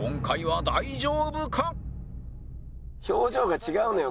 表情が違うのよ